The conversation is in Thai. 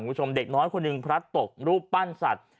คุณผู้ชมเด็กน้อยคนหนึ่งพลัดตกรูปปั้นสัตว์